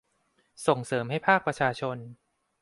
ส่งเสริมให้ภาคประชาชน